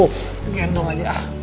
itu gendong aja